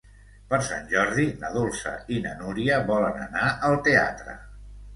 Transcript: Per Sant Jordi na Dolça i na Núria volen anar al teatre.